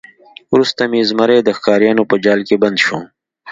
وروسته زمری د ښکاریانو په جال کې بند شو.